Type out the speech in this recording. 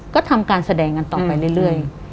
ก็ทำการแสดงกันต่อไปเรื่อย